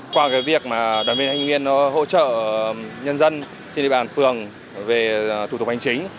qua việc đoàn viên thanh niên hỗ trợ nhân dân trên địa bàn phường về thủ tục hành chính